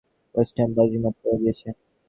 West Ham বাজিমাত করে দিয়েছে!